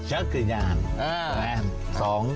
ชักยานแมนสอง